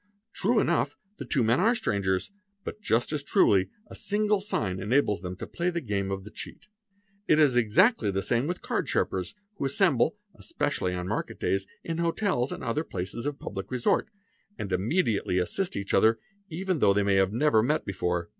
True enough the two men are strangers but just as truly a single sign enables them to | play the game of the cheat. {| It is exactly the same with card sharpers, who assemble, especially on | market days, in hotels and other places of public resort, and immediately | assist each other though they may have never met before.